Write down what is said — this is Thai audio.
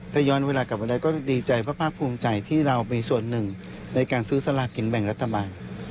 ถ้าย้อนเวลากลับมาได้ก็ดีใจเพราะภาคภูมิใจที่เรามีส่วนหนึ่งในการซื้อสลากินแบ่งรัฐบาล